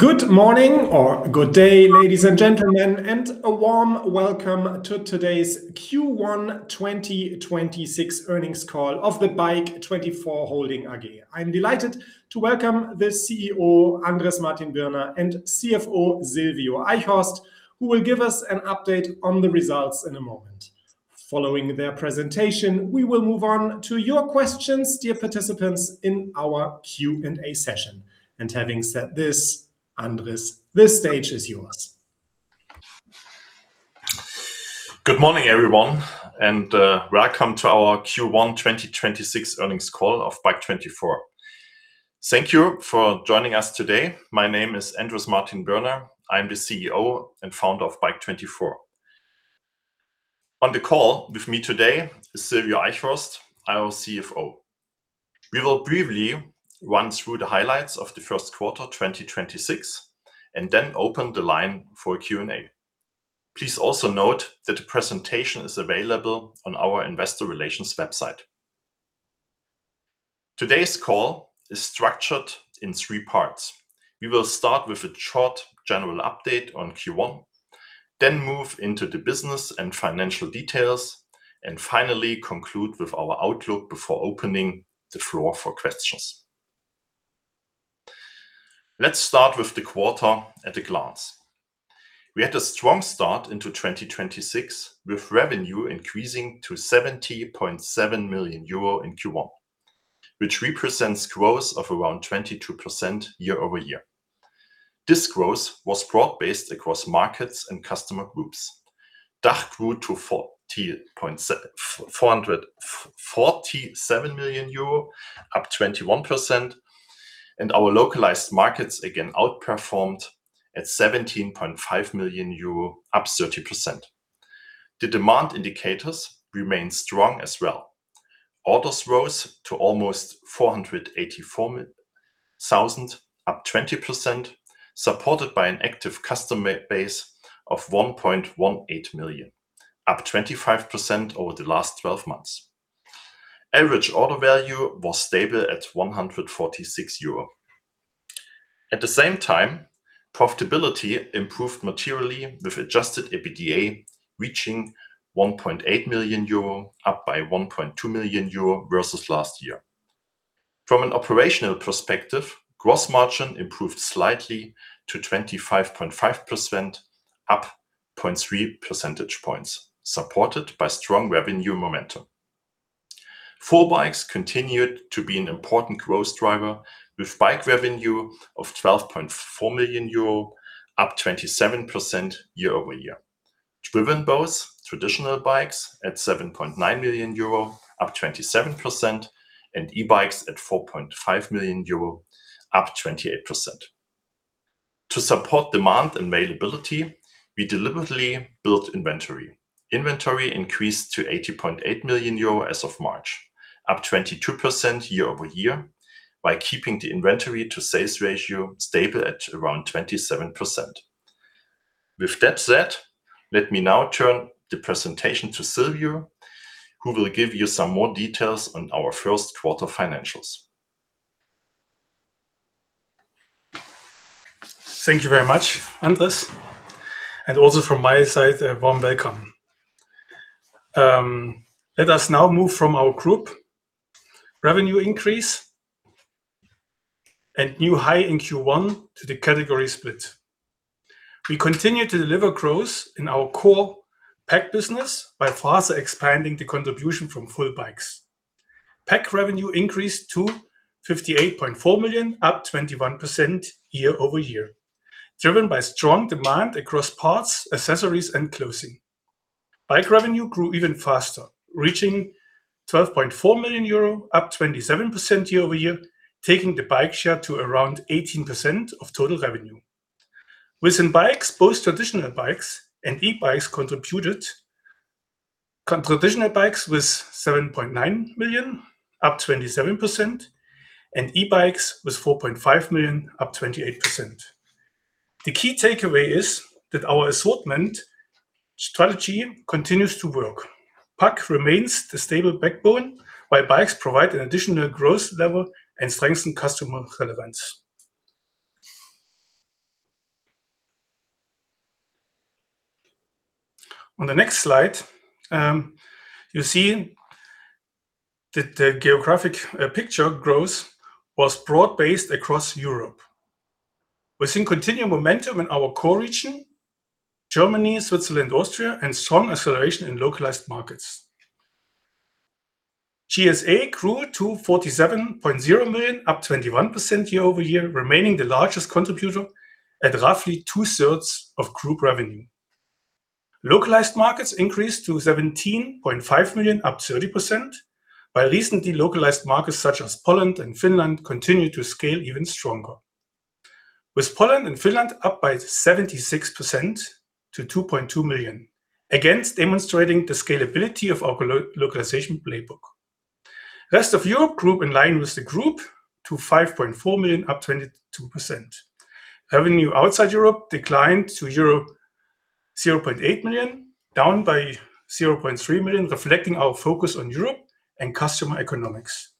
Good morning or good day, ladies and gentlemen, and a warm welcome to today's Q1 2026 earnings call of the Bike24 Holding AG. I'm delighted to welcome the CEO, Andrés Martin-Birner, and CFO, Sylvio Eichhorst, who will give us an update on the results in a moment. Following their presentation, we will move on to your questions, dear participants, in our Q&A session. Having said this, Andrés, this stage is yours. Good morning, everyone, and welcome to our Q1 2026 earnings call of Bike24. Thank you for joining us today. My name is Andrés Martin-Birner. I'm the CEO and founder of Bike24. On the call with me today is Sylvio Eichhorst, our CFO. We will briefly run through the highlights of the first quarter 2026 and then open the line for Q&A. Please also note that a presentation is available on our investor relations website. Today's call is structured in three parts. We will start with a short general update on Q1, then move into the business and financial details, and finally conclude with our outlook before opening the floor for questions. Let's start with the quarter at a glance. We had a strong start into 2026, with revenue increasing to 70.7 million euro in Q1, which represents growth of around 22% year-over-year. This growth was broad-based across markets and customer groups. DACH grew to 447 million euro, up 21%, and our localized markets again outperformed at 17.5 million euro, up 30%. The demand indicators remain strong as well. Orders rose to almost 484,000, up 20%, supported by an active customer base of 1.18 million, up 25% over the last twelve months. Average order value was stable at 146 euro. At the same time, profitability improved materially, with adjusted EBITDA reaching 1.8 million euro, up by 1.2 million euro versus last year. From an operational perspective, gross margin improved slightly to 25.5%, up 0.3 percentage points, supported by strong revenue momentum. full bikes continued to be an important growth driver, with bike revenue of 12.4 million euro, up 27% year-over-year. Driven both traditional bikes at 7.9 million euro, up 27%, and e-bikes at 4.5 million euro, up 28%. To support demand and availability, we deliberately built inventory. Inventory increased to 80.8 million euro as of March, up 22% year-over-year, by keeping the inventory to sales ratio stable at around 27%. With that said, let me now turn the presentation to Sylvio, who will give you some more details on our first quarter financials. Thank you very much, Andrés. Also from my side, a warm welcome. Let us now move from our group revenue increase and new high in Q1 to the category split. We continue to deliver growth in our core PAC business by faster expanding the contribution from full bikes. PAC revenue increased to 58.4 million, up 21% year-over-year, driven by strong demand across parts, accessories, and clothing. Bike revenue grew even faster, reaching 12.4 million euro, up 27% year-over-year, taking the bike share to around 18% of total revenue. Within bikes, both traditional bikes and e-bikes contributed. Traditional bikes with 7.9 million, up 27%, and e-bikes with 4.5 million, up 28%. The key takeaway is that our assortment strategy continues to work. PAC remains the stable backbone, while bikes provide an additional growth level and strengthen customer relevance. On the next slide, you see that the geographic picture growth was broad-based across Europe. We're seeing continued momentum in our core region, Germany, Switzerland, Austria, and strong acceleration in localized markets. GSA grew to 47.0 million, up 21% year-over-year, remaining the largest contributor at roughly 2/3 of group revenue. Localized markets increased to 17.5 million, up 30%, while recently localized markets such as Poland and Finland continue to scale even stronger. With Poland and Finland up by 76% to 2.2 million, again demonstrating the scalability of our localization playbook. Rest of Europe grew in line with the group to 5.4 million, up 22%. Revenue outside Europe declined to 0.8 million, down by 0.3 million, reflecting our focus on Europe and customer economics.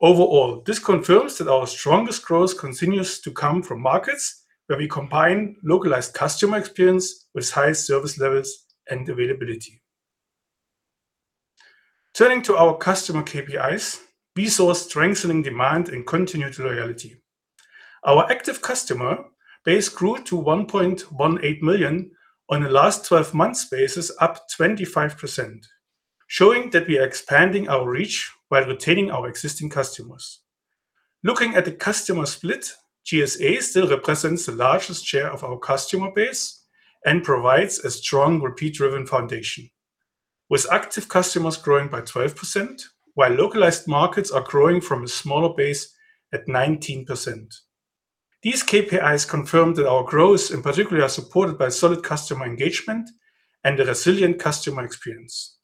Overall, this confirms that our strongest growth continues to come from markets where we combine localized customer experience with high service levels and availability. Turning to our customer KPIs, we saw strengthening demand and continued loyalty. Our active customer base grew to 1.18 million on a last twelve months basis, up 25%, showing that we are expanding our reach while retaining our existing customers. Looking at the customer split, GSA still represents the largest share of our customer base and provides a strong repeat-driven foundation, with active customers growing by 12%, while localized markets are growing from a smaller base at 19%. These KPIs confirm that our growth, in particular, are supported by solid customer engagement and a resilient customer experience.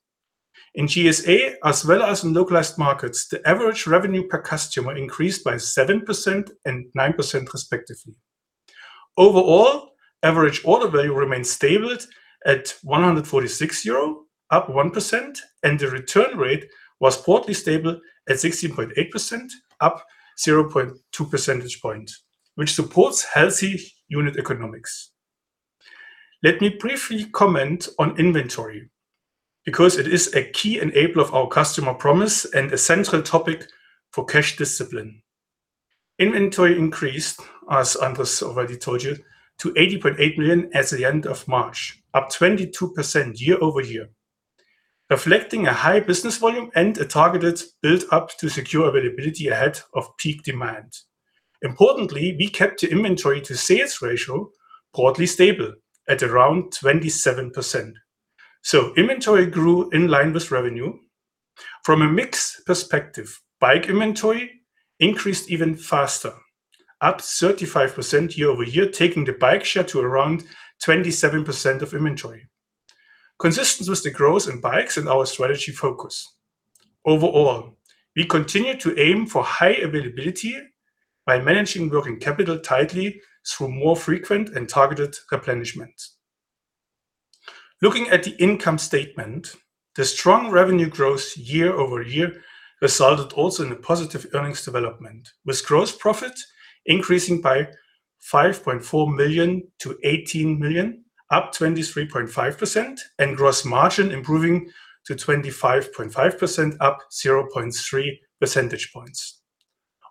In GSA as well as in localized markets, the average revenue per customer increased by 7% and 9% respectively. Average order value remains stable at 146 euro, up 1%, and the return rate was quarterly stable at 16.8%, up 0.2 percentage points, which supports healthy unit economics. Let me briefly comment on inventory, because it is a key enabler of our customer promise and a central topic for cash discipline. Inventory increased, as Andrés already told you, to 80.8 million as at the end of March, up 22% year-over-year, reflecting a high business volume and a targeted build up to secure availability ahead of peak demand. We kept the inventory to sales ratio quarterly stable at around 27%, so inventory grew in line with revenue. From a mix perspective, bike inventory increased even faster, up 35% year-over-year, taking the bike share to around 27% of inventory. Consistent with the growth in bikes and our strategy focus. Overall, we continue to aim for high availability by managing working capital tightly through more frequent and targeted replenishment. Looking at the income statement, the strong revenue growth year-over-year resulted also in a positive earnings development, with gross profit increasing by 5.4 million-18 million, up 23.5%, and gross margin improving to 25.5%, up 0.3 percentage points.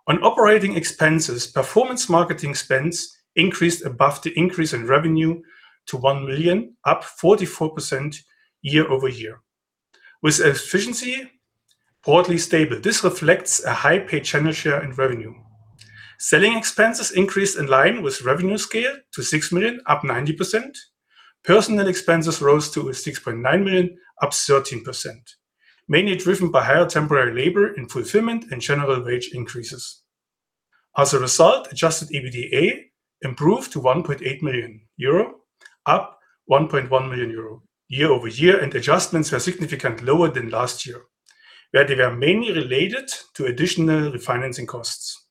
On operating expenses, performance marketing spends increased above the increase in revenue to 1 million, up 44% year-over-year, with efficiency quarterly stable. This reflects a high paid channel share in revenue. Selling expenses increased in line with revenue scale to 6 million, up 90%. Personnel expenses rose to 6.9 million, up 13%, mainly driven by higher temporary labor in fulfillment and general wage increases. As a result, adjusted EBITDA improved to 1.8 million euro, up 1.1 million euro year-over-year, and adjustments were significantly lower than last year, where they were mainly related to additional refinancing costs.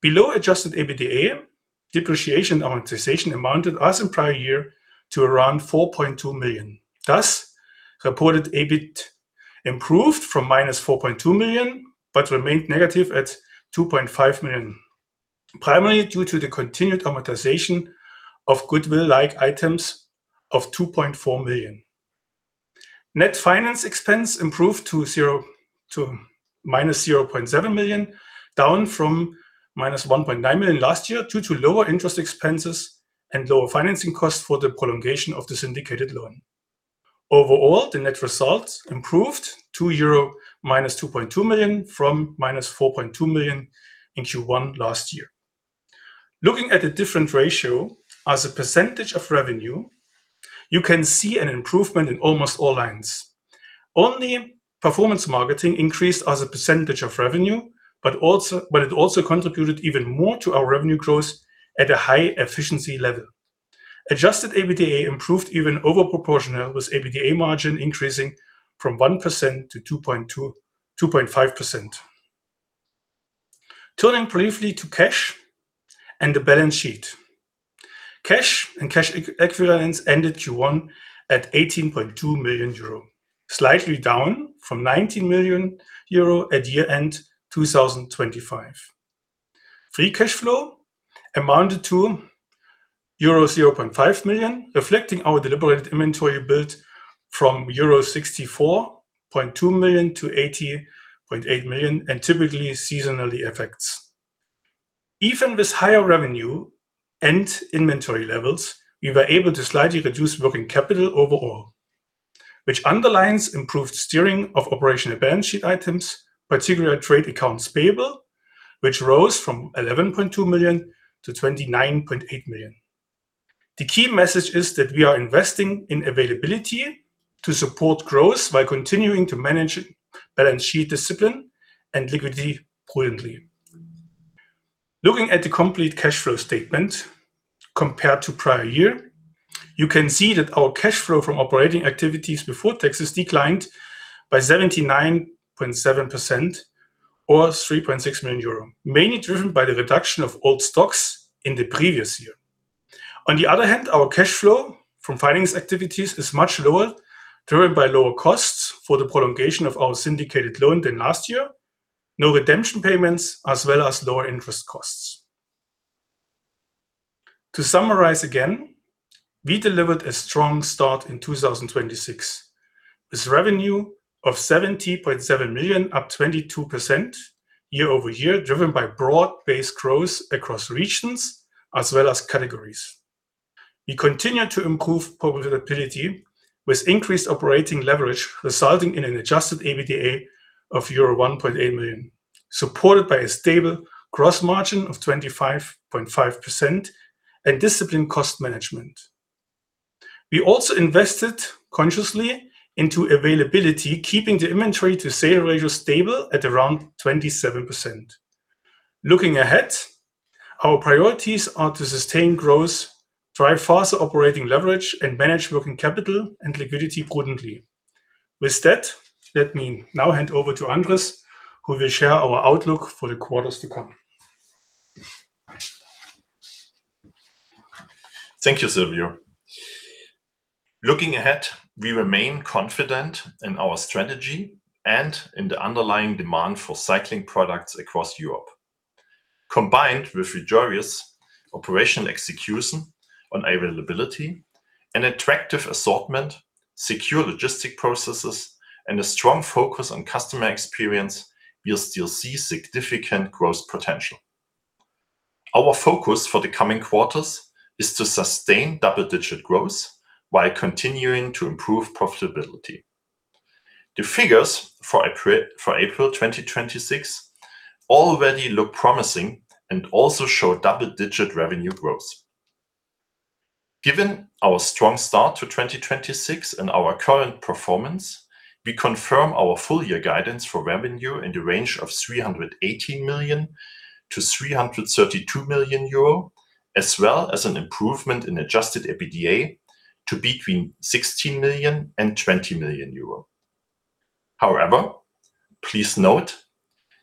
Below adjusted EBITDA, depreciation amortization amounted, as in prior year, to around 4.2 million. Thus, reported EBIT improved from minus 4.2 million, but remained negative at 2.5 million, primarily due to the continued amortization of goodwill-like items of 2.4 million. Net finance expense improved to EUR-0.7 million, down from EUR-1.9 million last year due to lower interest expenses and lower financing costs for the prolongation of the syndicated loan. Overall, the net results improved to EUR-2.2 million from EUR-4.2 million in Q1 last year. Looking at a different ratio as a percentage of revenue, you can see an improvement in almost all lines. Only performance marketing increased as a percentage of revenue, but it also contributed even more to our revenue growth at a high efficiency level. Adjusted EBITDA improved even over proportional, with EBITDA margin increasing from 1%-2.5%. Turning briefly to cash and the balance sheet. Cash and cash equivalents ended Q1 at 18.2 million euro, slightly down from 19 million euro at year-end 2025. Free cash flow amounted to euro 0.5 million, reflecting our deliberate inventory build from euro 64.2 million to 80.8 million, and typically seasonal effects. Even with higher revenue and inventory levels, we were able to slightly reduce working capital overall, which underlines improved steering of operational balance sheet items, particularly trade accounts payable, which rose from 11.2 million to 29.8 million. The key message is that we are investing in availability to support growth by continuing to manage balance sheet discipline and liquidity prudently. Looking at the complete cash flow statement compared to prior year, you can see that our cash flow from operating activities before taxes declined by 79.7%, 3.6 million euro, mainly driven by the reduction of old stocks in the previous year. On the other hand, our cash flow from finance activities is much lower, driven by lower costs for the prolongation of our syndicated loan than last year, no redemption payments, as well as lower interest costs. To summarize again, we delivered a strong start in 2026. With revenue of 70.7 million up 22% year-over-year, driven by broad-based growth across regions as well as categories. We continue to improve profitability with increased operating leverage, resulting in an adjusted EBITDA of euro 1.8 million, supported by a stable gross margin of 25.5% and disciplined cost management. We also invested consciously into availability, keeping the inventory to sales ratio stable at around 27%. Looking ahead, our priorities are to sustain growth, drive faster operating leverage, and manage working capital and liquidity prudently. With that, let me now hand over to Andrés, who will share our outlook for the quarters to come. Thank you, Sylvio. Looking ahead, we remain confident in our strategy and in the underlying demand for cycling products across Europe. Combined with rigorous operational execution on availability, an attractive assortment, secure logistic processes, and a strong focus on customer experience, we still see significant growth potential. Our focus for the coming quarters is to sustain double-digit growth while continuing to improve profitability. The figures for April 2026 already look promising and also show double-digit revenue growth. Given our strong start to 2026 and our current performance, we confirm our full year guidance for revenue in the range of 318 million-332 million euro, as well as an improvement in adjusted EBITDA to between 16 million and 20 million euro. Please note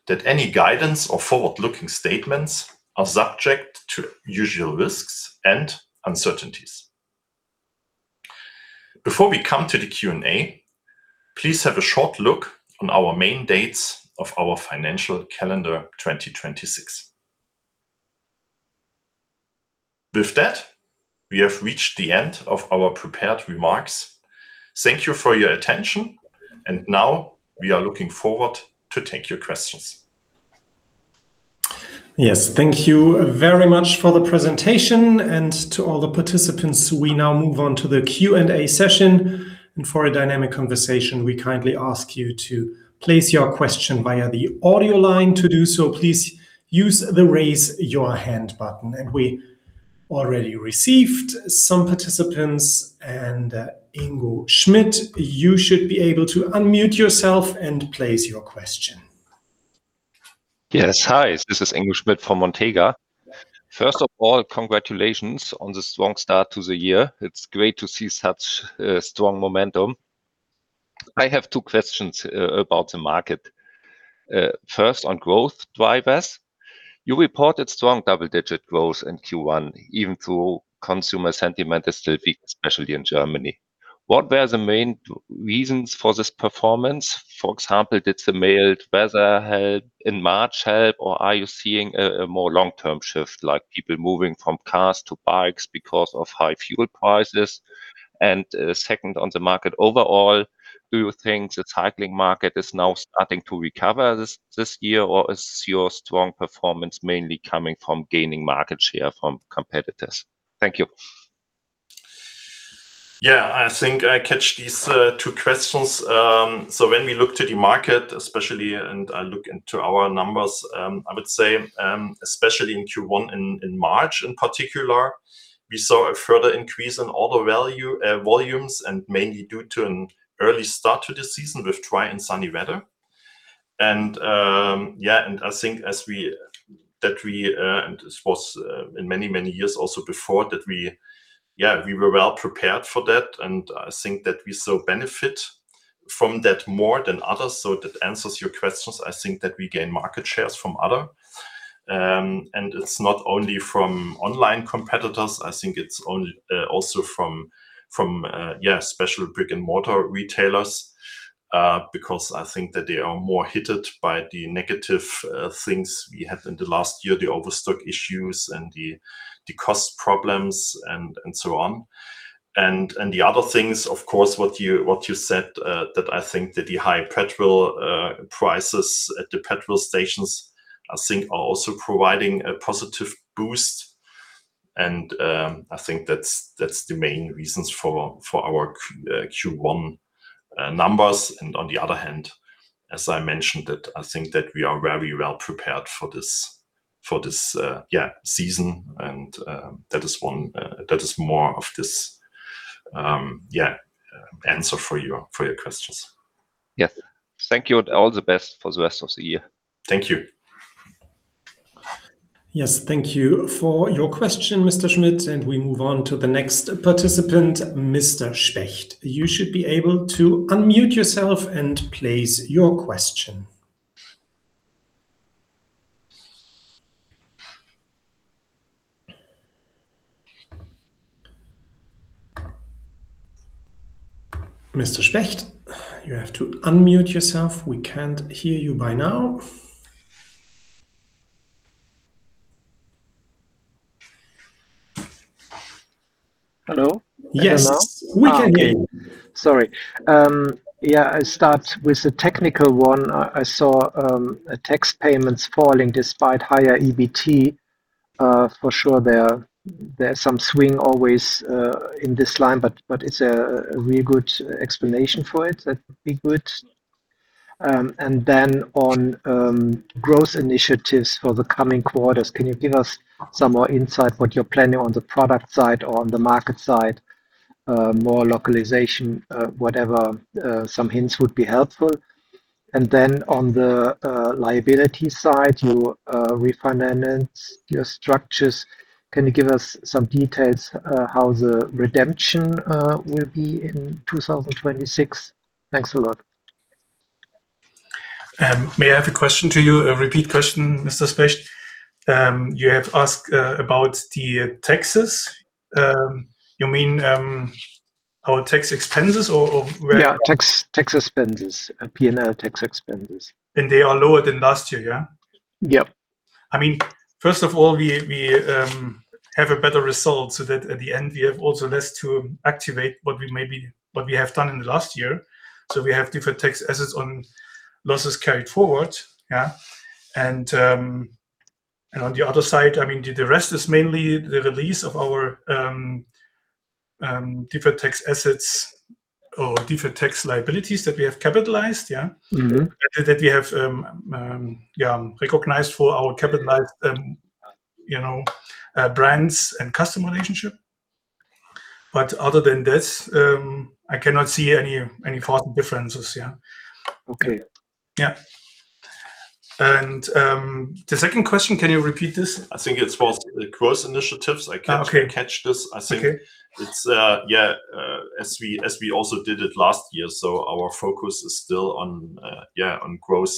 that any guidance or forward-looking statements are subject to usual risks and uncertainties. Before we come to the Q&A, please have a short look on our main dates of our financial calendar 2026. With that, we have reached the end of our prepared remarks. Thank you for your attention. Now we are looking forward to take your questions. Yes. Thank you very much for the presentation and to all the participants. We now move on to the Q&A session, and for a dynamic conversation, we kindly ask you to place your question via the audio line. To do so, please use the Raise Your Hand button. We already received some participants, and Ingo Schmidt, you should be able to unmute yourself and place your question. Yes. Hi, this is Ingo Schmidt from Montega. First of all, congratulations on the strong start to the year. It's great to see such strong momentum. I have two questions about the market. First on growth drivers. You reported strong double-digit growth in Q1, even though consumer sentiment is still weak, especially in Germany. What were the main reasons for this performance? For example, did the mild weather in March help, or are you seeing a more long-term shift, like people moving from cars to bikes because of high fuel prices? Second, on the market overall, do you think the cycling market is now starting to recover this year, or is your strong performance mainly coming from gaining market share from competitors? Thank you. I think I catch these two questions. When we look to the market, especially, and I look into our numbers, I would say, especially in Q1 in March in particular, we saw a further increase in order value volumes, and mainly due to an early start to the season with dry and sunny weather. I think that we, and this was in many, many years also before, that we were well prepared for that, I think that we still benefit from that more than others. That answers your questions. I think that we gain market shares from other, and it's not only from online competitors, I think it's also from, yeah, special brick-and-mortar retailers, because I think that they are more hit by the negative things we had in the last year, the overstock issues and the cost problems and so on. The other things, of course, what you, what you said, that I think that the high petrol prices at the petrol stations, I think are also providing a positive boost. I think that's the main reasons for our Q1 numbers. On the other hand, as I mentioned that I think that we are very well prepared for this season and that is more of this answer for your questions. Yes. Thank you, and all the best for the rest of the year. Thank you. Yes, thank you for your question, Mr. Schmidt. We move on to the next participant, Mr. Specht. You should be able to unmute yourself and place your question. Mr. Specht, you have to unmute yourself. We can't hear you by now. Hello? Yes. I don't know. We can hear you. Okay. Sorry. I start with a technical one. I saw a tax payments falling despite higher EBT. For sure there's some swing always in this line, but it's a real good explanation for it. That would be good. Then on growth initiatives for the coming quarters, can you give us some more insight what you're planning on the product side or on the market side, more localization, whatever. Some hints would be helpful. Then on the liability side. you, refinance your structures, can you give us some details, how the redemption will be in 2026? Thanks a lot. May I have a question to you, a repeat question, Mr. Specht? You have asked about the taxes. You mean our tax expenses or, where? Yeah, tax expenses. P&L tax expenses. They are lower than last year, yeah? Yep. I mean, first of all, we have a better result so that at the end, we have also less to activate what we have done in the last year. We have different tax assets on losses carried forward. On the other side, I mean, the rest is mainly the release of our different tax assets or different tax liabilities that we have capitalized. That we have, yeah, recognized for our capitalized, you know, brands and customer relationship. Other than this, I cannot see any further differences. Okay. Yeah. The second question, can you repeat this? I think it's for the growth initiatives. Oh, okay. I can't really catch this. Okay It's as we also did it last year, our focus is still on growth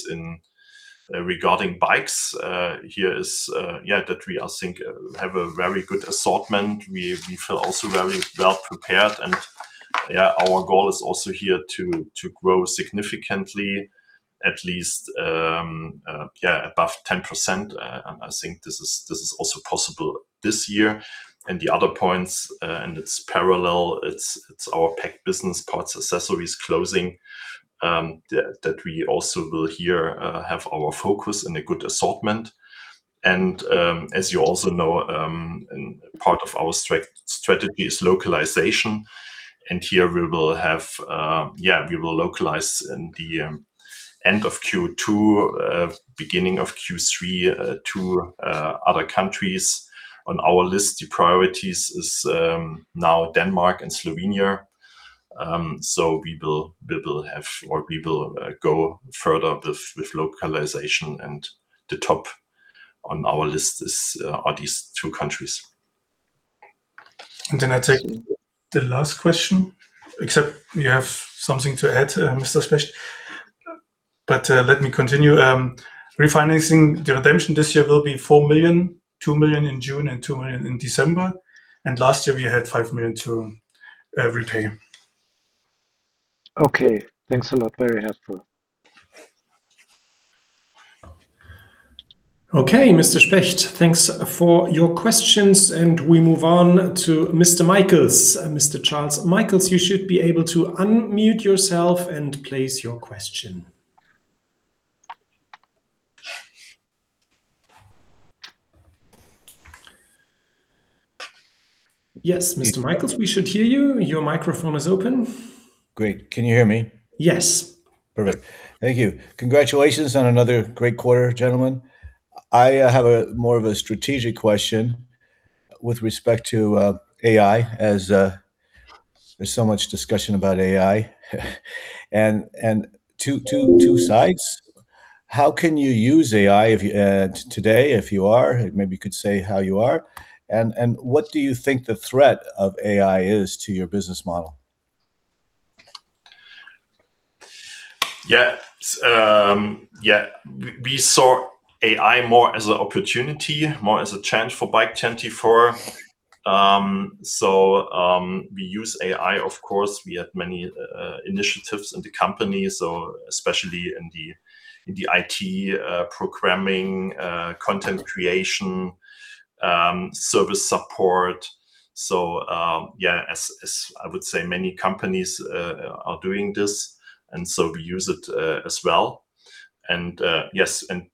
regarding bikes. Here is that we, I think, have a very good assortment. We feel also very well-prepared and our goal is also here to grow significantly at least above 10%. I think this is also possible this year. The other points and it's parallel, it's our PAC business parts, accessories clothing, that we also will here have our focus and a good assortment. As you also know, and part of our strategy is localization. Here we will have, we will localize in the end of Q2, beginning of Q3, 2 other countries. On our list, the priorities is now Denmark and Slovenia. We will go further with localization, and the top on our list are these two countries. I take the last question, except you have something to add, Mr. Specht? Let me continue. Refinancing the redemption this year will be 4 million, 2 million in June and 2 million in December. Last year we had 5 million to repay. Okay. Thanks a lot. Very helpful. Okay, Mr. Specht, thanks for your questions. We move on to Mr. Michaels. Mr. Charles Michaels, you should be able to unmute yourself and place your question. Yes, Mr. Michaels, we should hear you. Your microphone is open. Great. Can you hear me? Yes. Perfect. Thank you. Congratulations on another great quarter, gentlemen. I have a more of a strategic question with respect to AI as there's so much discussion about AI, and two sides. How can you use AI if you today, if you are, maybe you could say how you are. What do you think the threat of AI is to your business model? We saw AI more as an opportunity, more as a chance for Bike24. We use AI, of course. We have many initiatives in the company, especially in the IT programming, content creation, service support. As I would say many companies are doing this, we use it as well.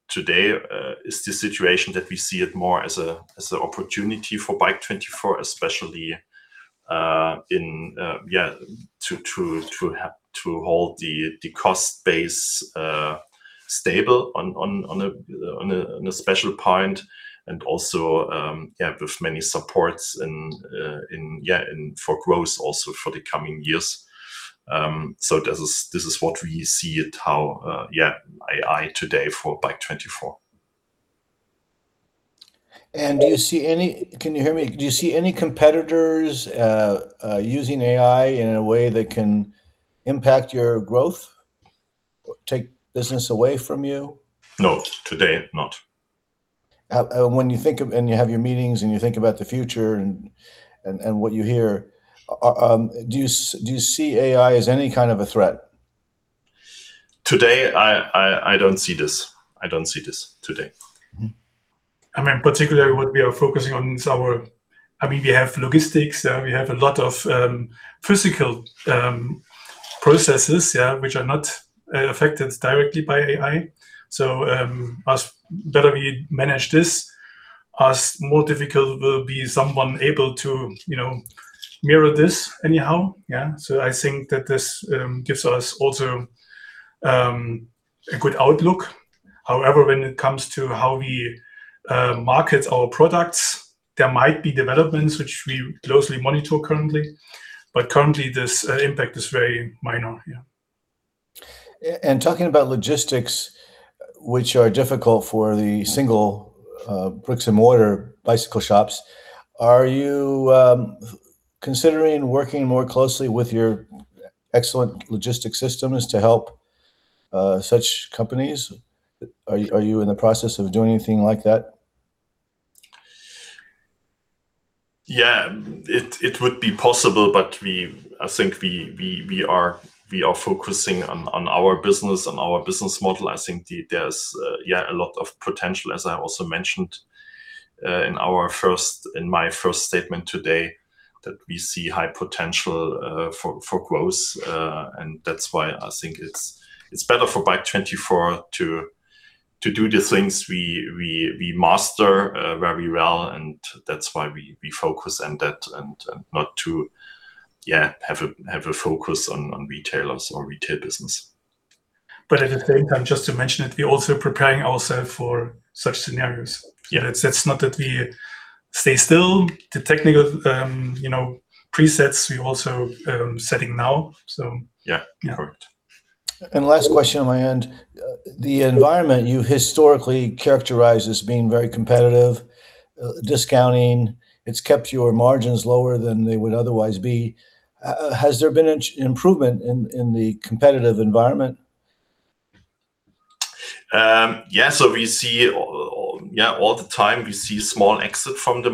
Today is the situation that we see it more as an opportunity for Bike24, especially to hold the cost base stable on a special point and also with many supports in for growth also for the coming years. This is what we see it how, AI today for Bike24. Can you hear me? Do you see any competitors using AI in a way that can impact your growth or take business away from you? No, today not. You have your meetings, and you think about the future and what you hear, do you see AI as any kind of a threat? Today I don't see this. I don't see this today. Particularly what we are focusing on is our we have logistics. We have a lot of physical processes which are not affected directly by AI. As better we manage this, as more difficult will be someone able to, you know, mirror this anyhow? I think that this gives us also a good outlook. However, when it comes to how we market our products, there might be developments which we closely monitor currently. Currently, this impact is very minor. Talking about logistics, which are difficult for the single bricks and mortar bicycle shops, are you considering working more closely with your excellent logistics systems to help such companies? Are you in the process of doing anything like that? It would be possible. I think we are focusing on our business, on our business model. I think there's a lot of potential, as I also mentioned in my first statement today, that we see high potential for growth. That's why I think it's better for Bike24 to do the things we master very well, and that's why we focus on that and not to have a focus on retailers or retail business. At the same time, just to mention it, we're also preparing ourselves for such scenarios. Yeah, it's not that we stay still. The technical, you know, presets we also setting now. Yeah. Yeah. Correct. Last question on my end. The environment you historically characterize as being very competitive, discounting, it's kept your margins lower than they would otherwise be. Has there been an improvement in the competitive environment? Yeah. We see all the time small exits from the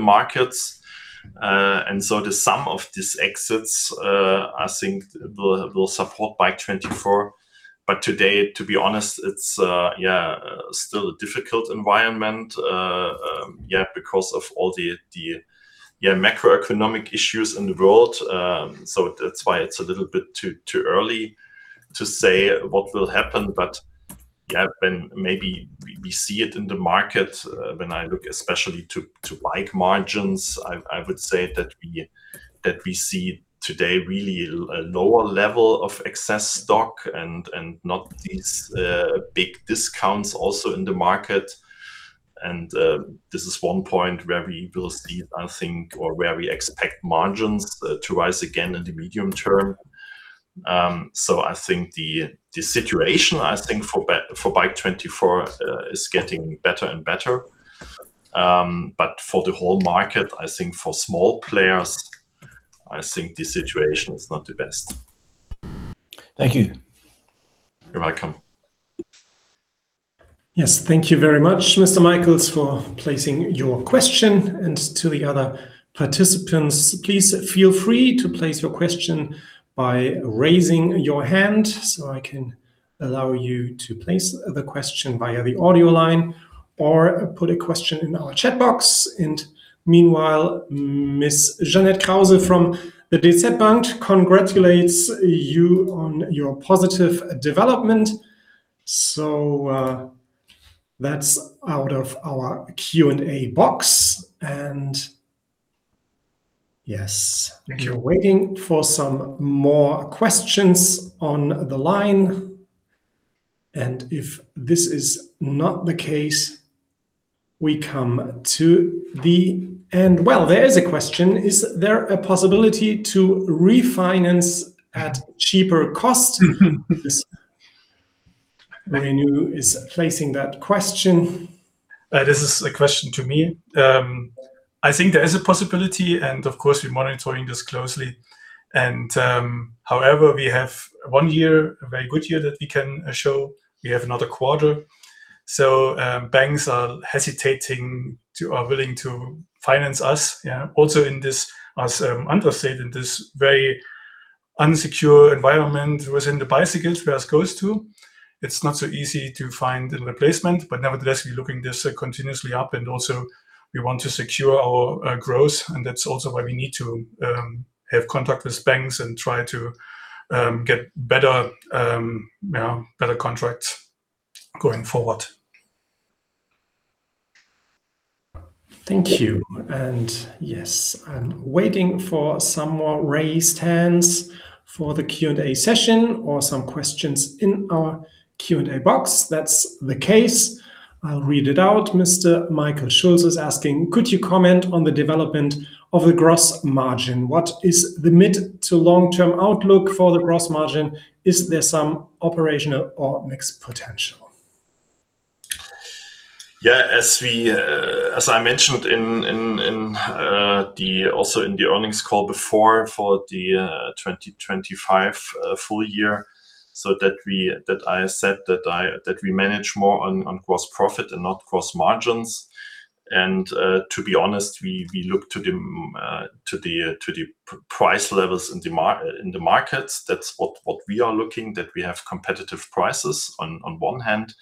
markets. The sum of these exits, I think will support Bike24. Today, to be honest, it's still a difficult environment because of all the macroeconomic issues in the world. That's why it's a little bit too early to say what will happen. When maybe we see it in the market, when I look especially to bike margins, I would say that we see today really a lower level of excess stock and not these big discounts also in the market. This is one point where we will see, I think, or where we expect margins to rise again in the medium term. I think the situation, I think for Bike24 is getting better and better. For the whole market, I think for small players, I think the situation is not the best. Thank you. You're welcome. Yes. Thank you very much, Mr. Michaels, for placing your question. To the other participants, please feel free to place your question by raising your hand so I can allow you to place the question via the audio line or put a question in our chat box. Meanwhile, Ms. Jeannette Krause from the DZ Bank congratulates you on your positive development. That's out of our Q&A box. We are waiting for some more questions on the line. If this is not the case, we come to the end. Well, there is a question. Is there a possibility to refinance at cheaper costs? Mr. Renou is placing that question. This is a question to me. I think there is a possibility, and of course, we are monitoring this closely. However, we have one year, a very good year that we can show. We have another quarter. Banks are willing to finance us, yeah, also in this, as Andrés said, in this very insecure environment within the bicycle space goes to. It is not so easy to find a replacement. Nevertheless, we are looking this continuously up, and also we want to secure our growth, and that is also why we need to have contact with banks and try to get better, yeah, better contracts going forward. Thank you. Yes, I'm waiting for some more raised hands for the Q&A session or some questions in our Q&A box. That's the case. I'll read it out. Mr. Michael Schulz is asking, "Could you comment on the development of the gross margin? What is the mid to long-term outlook for the gross margin? Is there some operational or mix potential? As I mentioned in the earnings call before for the 2025 full year, that I said that we manage more on gross profit and not gross margins. To be honest, we look to the price levels in the markets. That's what we are looking, that we have competitive prices on one hand.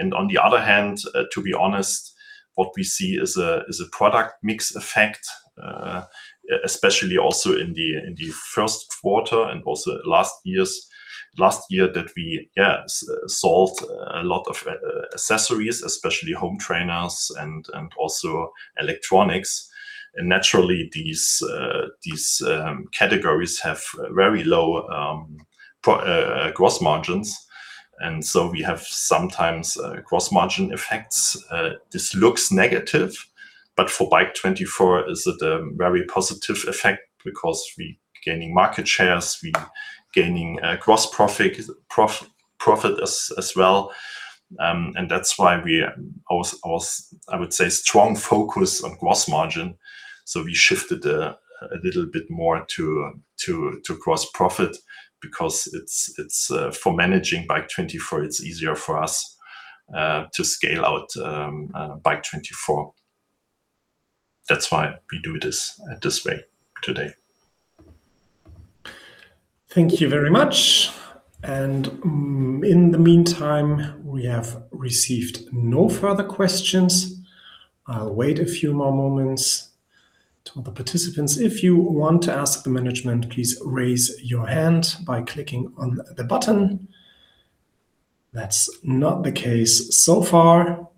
On the other hand, to be honest, what we see is a product mix effect, especially also in the first quarter and also last year that we, yeah, sold a lot of accessories, especially home trainers and also electronics. Naturally, these categories have very low gross margins. We have sometimes gross margin effects. This looks negative, but for Bike24 is at a very positive effect because we gaining market shares, we gaining gross profit as well. That's why we I would say strong focus on gross margin, so we shifted a little bit more to gross profit because it's for managing Bike24, it's easier for us to scale out Bike24. That's why we do this this way today. Thank you very much. In the meantime, we have received no further questions. I'll wait a few more moments to all the participants. If you want to ask the management, please raise your hand by clicking on the button. That's not the case so far.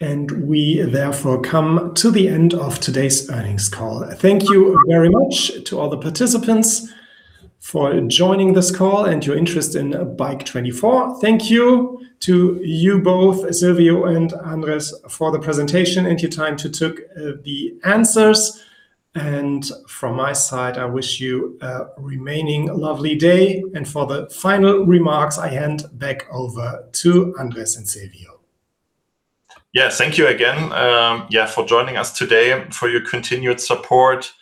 We therefore come to the end of today's earnings call. Thank you very much to all the participants for joining this call and your interest in Bike24. Thank you to you both, Sylvio and Andrés, for the presentation and your time to took the answers. From my side, I wish you a remaining lovely day. For the final remarks, I hand back over to Andrés and Sylvio. Thank you again, yeah, for joining us today, for your continued support.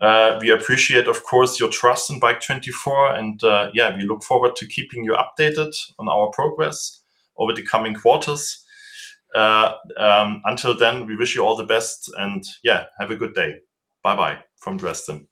We appreciate, of course, your trust in Bike24, and, yeah, we look forward to keeping you updated on our progress over the coming quarters. Until then, we wish you all the best and, yeah, have a good day. Bye-bye from Dresden.